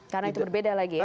karena itu berbeda lagi ya